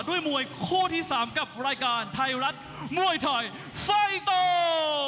ด้วยมวยคู่ที่๓กับรายการไทยรัฐมวยไทยไฟเตอร์